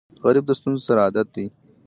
غریب د ستونزو سره عادت لري